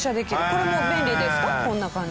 これも便利ですか？